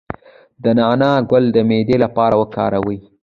د نعناع ګل د معدې لپاره وکاروئ